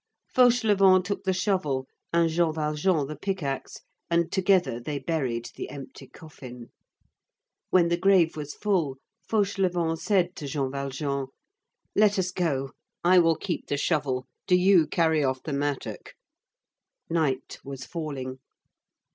Fauchelevent took the shovel, and Jean Valjean the pick axe, and together they buried the empty coffin. When the grave was full, Fauchelevent said to Jean Valjean:— "Let us go. I will keep the shovel; do you carry off the mattock." Night was falling.